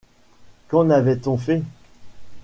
Qu’en avait-on fait ?